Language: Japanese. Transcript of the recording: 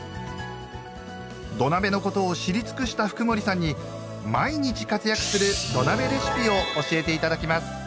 土鍋のことを知り尽くした福森さんに毎日活躍する土鍋レシピを教えて頂きます。